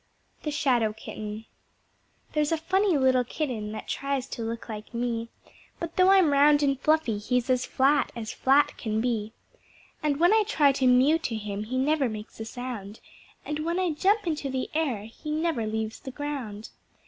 The Shadow Kitten There's a funny little kitten that tries to look like me, But though I'm round and fluffy, he's as flat as flat can be; And when I try to mew to him he never makes a sound, And when I jump into the air he never leaves the ground.